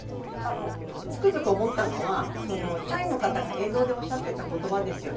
つくづく思ったのは、社員の方が映像でおっしゃってた言葉ですよね。